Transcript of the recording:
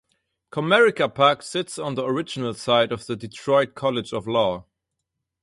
Comerica Park sits on the original site of the Detroit College of Law.